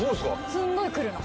すんごい来るの。